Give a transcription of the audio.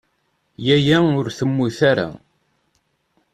Yaya ur temmut ara.